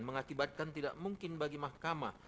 mengakibatkan tidak mungkin bagi mahkamah